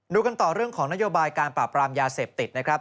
กันต่อเรื่องของนโยบายการปราบรามยาเสพติดนะครับ